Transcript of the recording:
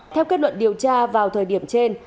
theo kết luận điều tra vào thời điểm trên